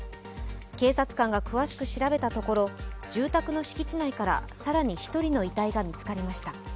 警察官が詳しく調べたところ、住宅の敷地内から更に１人の遺体が見つかりました。